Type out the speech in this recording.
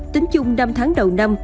tính chung năm tháng đầu năm